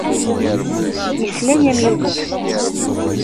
Yesla-am Yugurten.